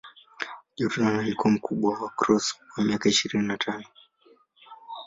Jordan alikuwa mkubwa wa Cross kwa miaka ishirini na tano.